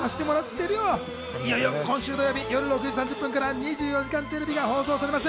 いよいよ今週土曜日夜６時３０分から『２４時間テレビ』が放送されます。